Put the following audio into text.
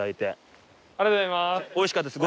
おいしかったです